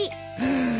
うん。